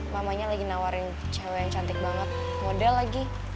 mamanya lagi nawarin cewek yang cantik banget model lagi